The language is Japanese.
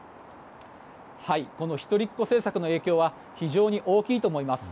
一人っ子政策の影響は非常に大きいと思います。